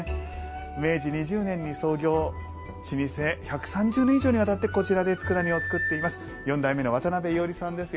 明治２０年に創業老舗１３０年以上にわたってこちらでつくだ煮を作っています四代目の渡邊伊織さんです。